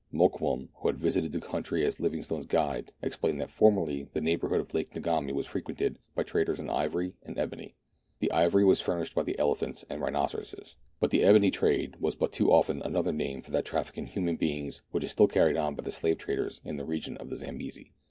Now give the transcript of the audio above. Mokoum, who had visited the country as Livingstone's guide, explained that formerly the neighbourhood of Lake Ngami was frequented by traders in ivory and ebony. The ivory was furnished by the elephants and rhinoceroses ; but the ebony trade was but too often another name for that traffic in human beings which is still carried on by the slave traders in the region of the Zambesi.